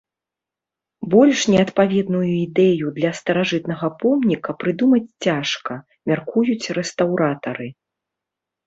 Больш неадпаведную ідэю для старажытнага помніка прыдумаць цяжка, мяркуюць рэстаўратары.